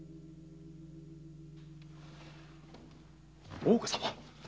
大岡様！